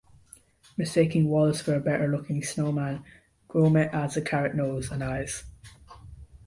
Mistaking Wallace for a better-looking snowman, Gromit adds a carrot nose and eyes.